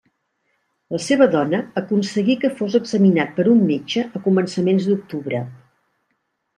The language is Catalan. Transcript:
La seva dona aconseguí que fos examinat per un metge a començaments d'octubre.